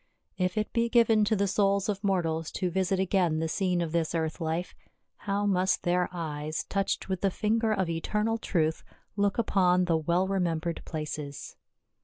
If it be given to the souls of mortals to visit again the scene of this earth life, how must their eyes, touched with the finger of eternal truth, look upon the well remembered places.